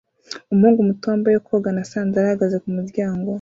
Umuhungu muto wambaye koga na sandali ahagaze kumuryango